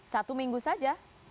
satu minggu saja